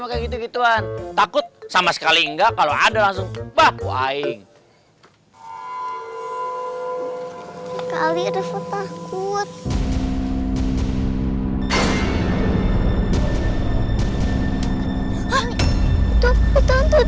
pakai gitu gituan takut sama sekali enggak kalau ada langsung bahwa ingin kali udah takut